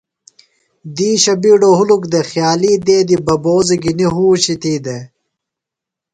دیشہ بیڈو ہُلُک دے۔ خیالی دیدی ببوزیۡ گِھنی ہوشیۡ تھی دے۔